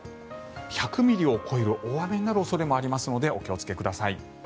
雨量、１００ミリを超える大雨になる恐れもありますのでお気をつけください。